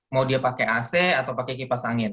mau dia pakai ac atau pakai kipas angin